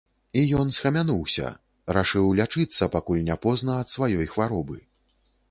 І ён схамянуўся, рашыў лячыцца, пакуль не позна, ад сваёй хваробы.